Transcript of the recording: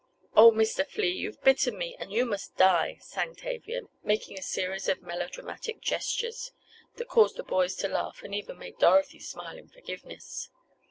"Oh, Mr. Flea, you've bitten me, and you must die!" sang Tavia, making a series of melo dramatic gestures, that caused the boys to laugh and even made Dorothy smile in forgiveness.